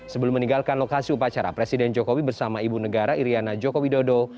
sebelum meninggalkan lokasi upacara presiden jokowi bersama ibu negara iryana joko widodo